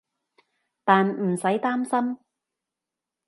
但唔使擔心